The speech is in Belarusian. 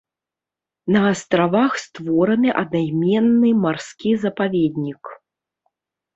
На астравах створаны аднайменны марскі запаведнік.